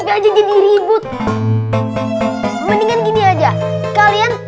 gila ini udah malem